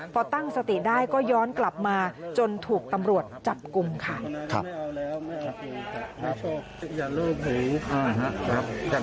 พอตั้งสติได้ก็ย้อนกลับมาจนถูกตำรวจจับกลุ่มค่ะ